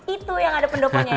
itu yang ada pendoponya